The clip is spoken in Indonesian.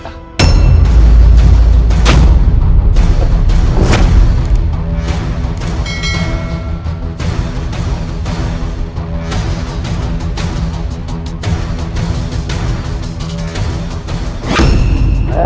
tidak ada yang bisa membatalkan